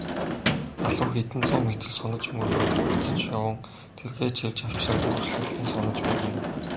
Залуу хэдэн зуун метр сунаж мөргөөд буцаж яван тэргээ чирч авчраад үргэлжлүүлэн сунаж мөргөнө.